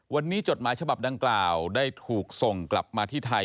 วันนี้จดหมายฉบับดังกล่าวได้ถูกส่งกลับมาที่ไทย